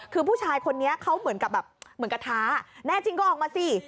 คือผู้ชายคนนี้เขาเหมือนกระท้แน่จริงก็ออกมาสิ